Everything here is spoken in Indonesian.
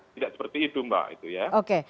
tidak seperti itu mbak